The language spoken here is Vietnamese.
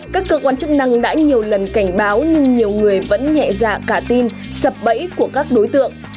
các cơ quan chức năng đã nhiều lần cảnh báo nhưng nhiều người vẫn nhẹ dạ cả tin sập bẫy của các đối tượng